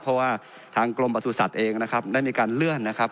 เพราะว่าทางกรมประสุทธิ์เองนะครับได้มีการเลื่อนนะครับ